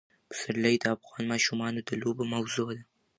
پسرلی د افغان ماشومانو د لوبو موضوع ده.